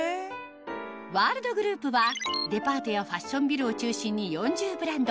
ワールドグループはデパートやファッションビルを中心に４０ブランド